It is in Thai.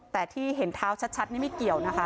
แต่ที่เห็นเท้าชัดนี่ไม่เกี่ยวนะคะ